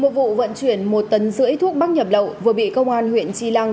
một vụ vận chuyển một tấn rưỡi thuốc bắt nhập lậu vừa bị công an huyện trì lăng